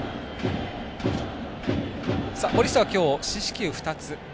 森下は今日、四死球２つ。